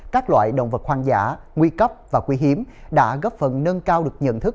các loại động vật hoang dã nguy cấp và quý hiếm đã góp phần nâng cao được nhận thức